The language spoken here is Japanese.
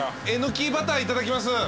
エノキバターいただきます。